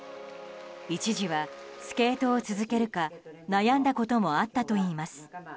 一時は、スケートを続けるか悩んだこともあったといいます。